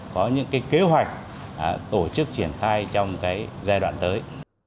có những kế hoạch tổ chức triển khai trong giai đoạn tới